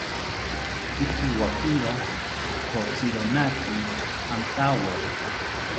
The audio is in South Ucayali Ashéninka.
Pikiwakiro kotzironaki antawo